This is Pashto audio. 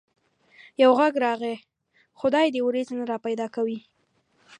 يو غږ راغی: خدای دي وريځ نه را پيدا کوي.